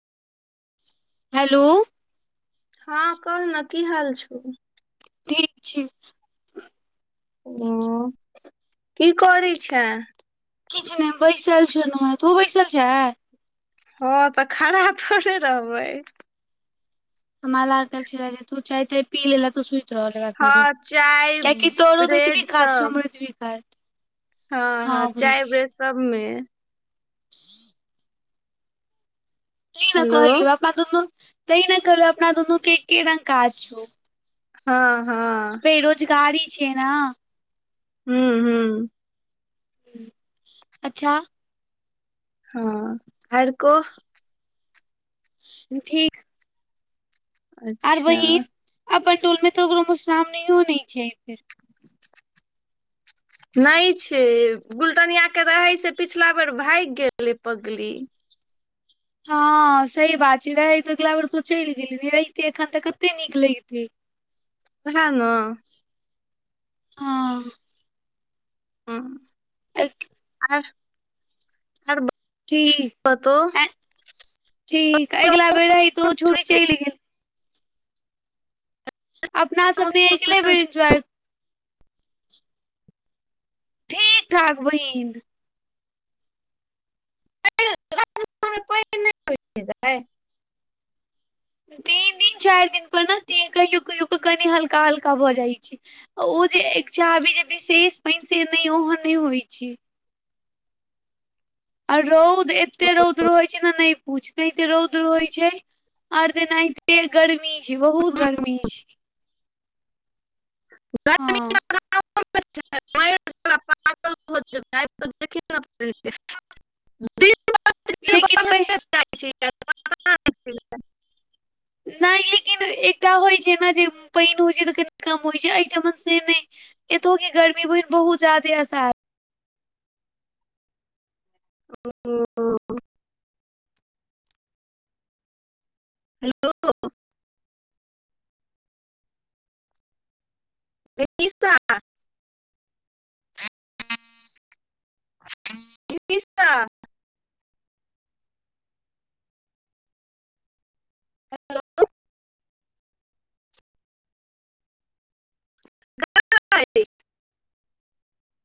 hello हँ कहल ने की हाल छौ ठीक छै ओ की करै छेएं किछु नहि बैसल छलहुँँ तू बैसल छेहं हँं तऽ खड़ा थोड़े रहबै तऽ मरा अगल छिरा तू चाय त पी ल ल तऽ स्वी रहल फरू हँ चाय कियाकि तोरो ब्रेड एतबी काज सब हमरो एतबी काज हँ हँ चाय ब्रेड सबमे हू तै ने हेलो कहलियौ अपना दुनू तै ने कहलियौ अपना दुनू के के रंगग काज छौ हँ हँ बेरोजगारी छियै हूँ हू अच्छा हँ आर कहु ठीक आर अच्छा वहीन अपन टोलमे तऽ ककरो मधुश्रामनी नहियो छै फेर नहि छै फुलडालीया के रहे से पिछला बेर भागि गेलै पगली हँ सही बात छै रहैत अगिला बेर स चलि गेलै रहितै एखन तऽ कतेक नीक लगतै सेएह ने हँ हँ अ आर ठीक बतो ठीक अगिला बेर ही तू छोरी च लि गेल अपना सबने अगिले बेर इन्जॉय ठीक ठाक बहिन प नहि तीन दिन चारि दिन पर ने कहियो कहियो कनि हल्का हल्का भऽ जाइत छै ओ जे इच्छा आबी जे विशेष पानि से नहि ओहन नहि होइत छै आ रौद एते रौद रहे छै ने नहि पूछते रौद्र होइ छै आओर तनाते गर्मी बहुत गर्मी छै ओकर हँ हुत दिन दिन लेकिन बढ़ले जाइ छै यार नहि लेकिन एकटा होइत छै ने जे पानि होइत छै तऽ कनि कम होइत छै आइटमन से नहि एतौ कि गर्मी बहिन बहुत जदे आसार ह हेलो त किसका [unintelligible]